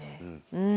うん。